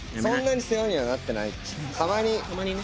たまにね。